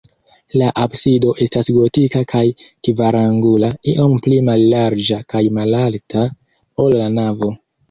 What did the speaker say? La absido estas gotika kaj kvarangula, iom pli mallarĝa kaj malalta, ol la navo.